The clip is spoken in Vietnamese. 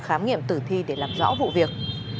khám nghiệm tử thi để làm rõ vụ việc